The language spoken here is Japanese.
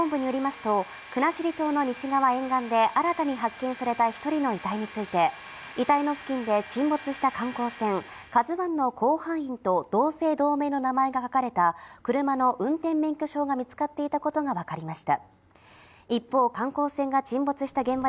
第一管区海上保安本部によりますと国後島の西側沿岸で新たに発見された１人の遺体について遺体の付近で沈没した観光船「ＫＡＺＵ１」の甲板員と同姓同名の名前が書かれた車の運転免許証が見つかっていたことがわかりました。